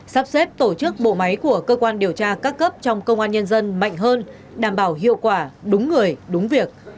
sắp xếp tổ chức bộ máy của cơ quan điều tra các cấp trong công an nhân dân mạnh hơn đảm bảo hiệu quả đúng người đúng việc